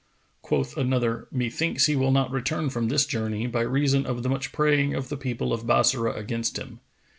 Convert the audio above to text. Quoth another, "Methinks he will not return from this journey, by reason of the much praying of the people of Bassorah against him."